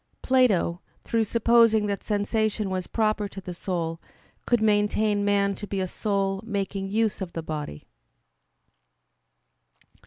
Plato, through supposing that sensation was proper to the soul, could maintain man to be a soul making use of the body.